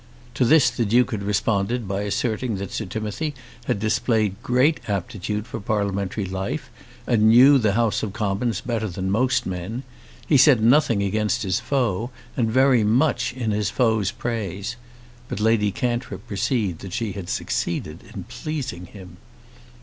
To this the Duke had responded by asserting that Sir Timothy had displayed great aptitude for parliamentary life, and knew the House of Commons better than most men. He said nothing against his foe, and very much in his foe's praise. But Lady Cantrip perceived that she had succeeded in pleasing him.